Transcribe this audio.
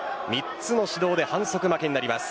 ３つの指導で反則負けです。